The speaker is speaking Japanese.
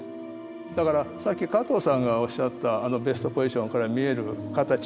だからさっき加藤さんがおっしゃったベストポジションから見える形と。